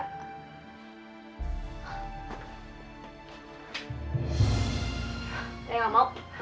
re gak mau